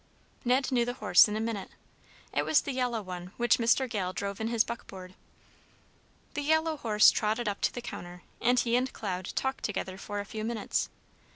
Ned knew the horse in a minute. It was the yellow one which Mr. Gale drove in his buckboard. The yellow horse trotted up to the counter, and he and Cloud talked together for a few minutes.